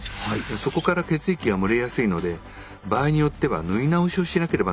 そこから血液が漏れやすいので場合によっては縫い直しをしなければなりません。